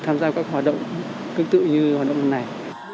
tham gia các hoạt động tương tự như hoạt động này